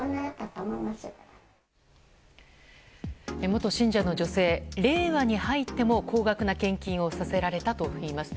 元信者の女性、令和に入っても高額な献金をさせられたといいます。